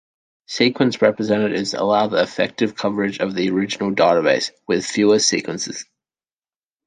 Sequence representatives allow the effective coverage of the original database with fewer sequences.